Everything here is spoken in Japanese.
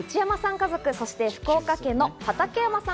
家族、そして福岡県の畠山さん